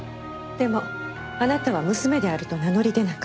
でもあなたは娘であると名乗り出なかった。